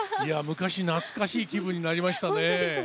昔懐かしい気分になりましたね。